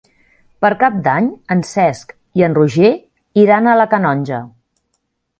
Per Cap d'Any en Cesc i en Roger iran a la Canonja.